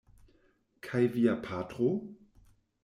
Kaj via patro?